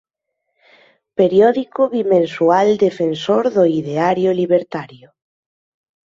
Periódico bimensual defensor do ideario libertario.